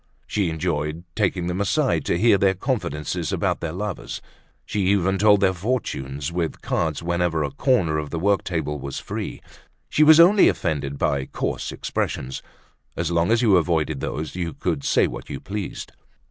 She enjoyed taking them aside to hear their confidences about their lovers. She even told their fortunes with cards whenever a corner of the work table was free. She was only offended by coarse expressions. As long as you avoided those you could say what you pleased.